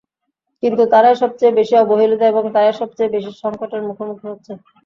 কিন্তু তারাই সবচেয়ে বেশি অবহেলিত এবং তারাই সবচেয়ে বেশি সংকটের মুখোমুখি হচ্ছে।